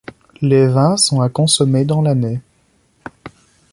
Les vins sont à consommer dans l'année.